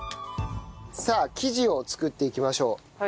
さあ生地を作っていきましょう。